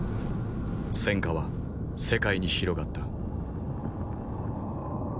戦火は世界に広がった。